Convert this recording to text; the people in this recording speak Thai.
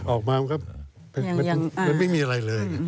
ออกมามันก็มันไม่มีอะไรเลย